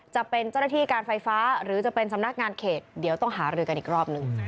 จะเป็นเจ้าหน้าที่การไฟฟ้าหรือจะเป็นสำนักงานเขตเดี๋ยวต้องหารือกันอีกรอบหนึ่ง